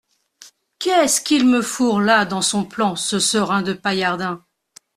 Qu’est-ce qu’il me fourre là, dans son plan, ce serin de Paillardin !